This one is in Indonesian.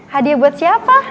hadiah buat siapa